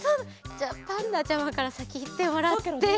じゃあパンダちゃまからさきいってもらって。